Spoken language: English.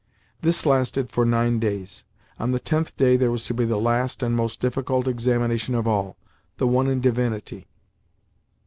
This lasted for nine days. On the tenth day there was to be the last and most difficult examination of all—the one in divinity.